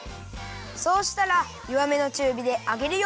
そうしたらよわめのちゅうびで揚げるよ。